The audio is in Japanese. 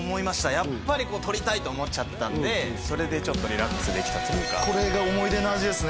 やっぱりとりたいと思っちゃってたんでそれでちょっとリラックスできたというかこれが思い出の味ですね